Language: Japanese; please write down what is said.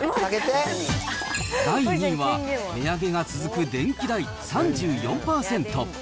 第２位は値上げが続く電気代、３４％。